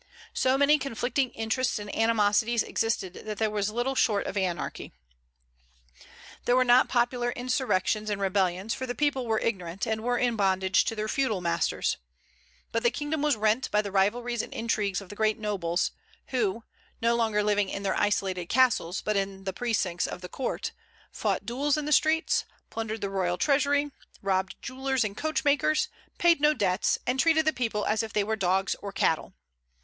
So many conflicting interests and animosities existed that there was little short of anarchy. There were not popular insurrections and rebellions, for the people were ignorant, and were in bondage to their feudal masters; but the kingdom was rent by the rivalries and intrigues of the great nobles, who, no longer living in their isolated castles but in the precincts of the court, fought duels in the streets, plundered the royal treasury, robbed jewellers and coachmakers, paid no debts, and treated the people as if they were dogs or cattle.